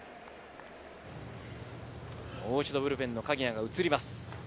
もう一度ブルペンの鍵谷が映ります。